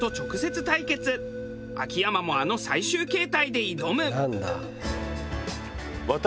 秋山もあの最終形態で挑む。